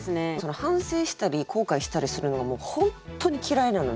反省したり後悔したりするのがもう本当に嫌いなので。